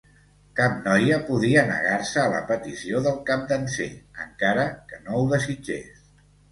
Cap noia podia negar-se a la petició del Capdanser, encara que no ho desitgés.